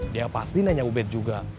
dia pasti nanya ubed juga